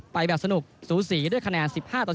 ไปแบบสนุกสูสีด้วยคะแนน๑๕ต่อ๑